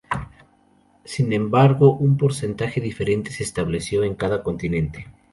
Sin embargo, un porcentaje diferente se estableció en cada continente.